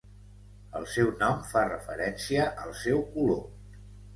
El seu nom fa referència al seu color.